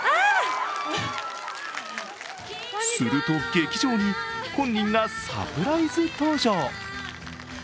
すると、劇場に本人がサプライズ登場。